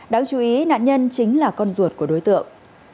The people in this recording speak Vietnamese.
đáng chú ý nạn nhân chính là con ruột của đối tượng